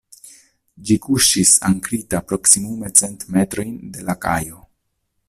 Ĝi kuŝis ankrita proksimume cent metrojn de la kajo.